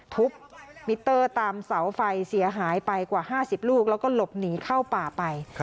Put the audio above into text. ทุบมิเตอร์ตามเสาไฟเสียหายไปกว่า๕๐ลูกแล้วก็หลบหนีเข้าป่าไป